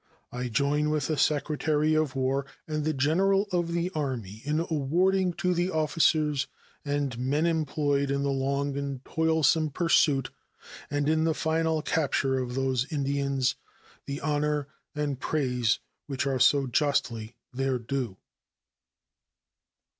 I join with the Secretary of War and the General of the Army in awarding to the officers and men employed in the long and toilsome pursuit and in the final capture of these Indians the honor and praise which are so justly their due.